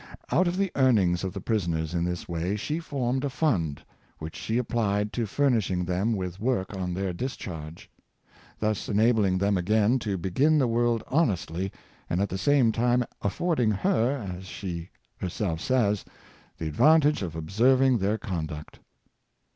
Out of the earnings of the prisoners in this way she formed a fund, which she applied to furnishing them with work on their discharge; thus enabling them again to begin the world honestly, and at the same time affording her, as she herself says, " the advantage of observing their con duct."